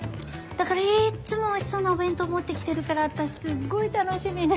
だからいっつもおいしそうなお弁当持ってきてるから私すっごい楽しみで。